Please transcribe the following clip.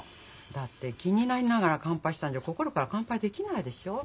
だって気になりながら乾杯したんじゃ心から乾杯できないでしょう。